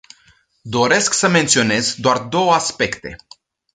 Doresc să menționez doar două aspecte.